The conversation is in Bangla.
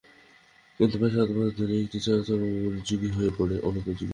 কিন্তু প্রায় সাত বছর ধরে এটি চলাচলের অনুপযোগী হয়ে পড়ে আছে।